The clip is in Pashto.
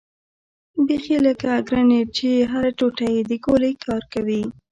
بيخي لکه ګرنېټ چې هره ټوټه يې د ګولۍ کار کوي.